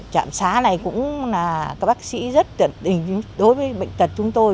trạm xá này cũng là các bác sĩ rất tiện tình đối với bệnh tật chúng tôi